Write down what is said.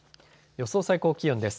予想最高気温です。